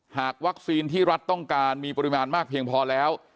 หากวัคซีนที่รัฐต้องการมีปริมาณมากเพียงพอแล้ว